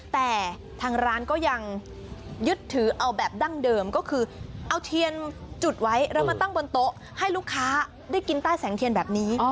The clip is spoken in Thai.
แต่ทางร้านก็ยังยึดถือเอาแบบดั้งเดิมก็คือเอาเทียนจุดไว้แล้วมาตั้งบนโต๊ะให้ลูกค้าได้กินใต้แสงเทียนแบบนี้